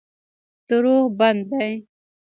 دروغ بد دی.